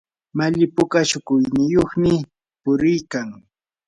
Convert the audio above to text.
malli puka shukuyniyuqmi puriykan.